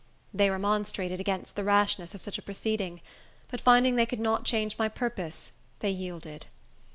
They remonstrated against the rashness of such a proceeding; but finding they could not change my purpose, they yielded.